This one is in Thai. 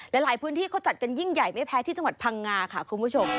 หลายพื้นที่เขาจัดกันยิ่งใหญ่ไม่แพ้ที่จังหวัดพังงาค่ะคุณผู้ชม